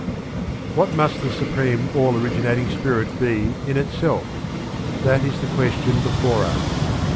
What must the Supreme All originating Spirit be in itself? That is the question before us.